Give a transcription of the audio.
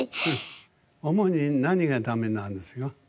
主に何がダメなんですか？